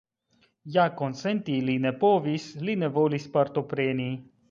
Ja konsenti li ne povis, li ne volis partopreni.